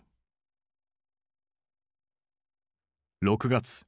６月。